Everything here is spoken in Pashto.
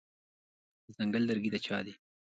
د ځنګل لرګي د چا دي؟